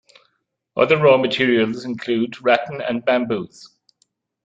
Other raw materials include rattan and bamboos.